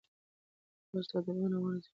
اوس دا ونه زما د هیلو په څېر وچه ولاړه ده.